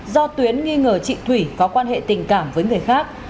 do tuyến nghi ngờ chị thủy có quan hệ tình cảm với người khác